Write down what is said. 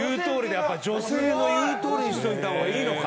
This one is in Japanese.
やっぱり女性の言うとおりにしておいた方がいいのか。